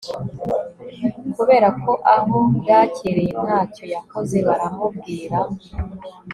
kubera ko aho bwakereye nta cyo yakoze, baramubwira